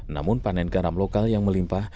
namun panen garam lokal yang melimpah